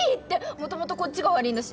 もともとこっちが悪ぃんだし。